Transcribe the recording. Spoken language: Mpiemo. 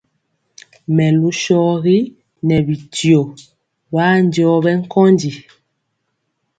Mɛlu shɔgi nɛ bityio wa njɔɔ bɛ nkondi.